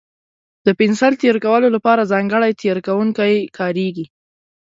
د پنسل تېره کولو لپاره ځانګړی تېره کوونکی کارېږي.